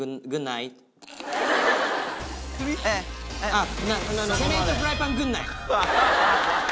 あっ！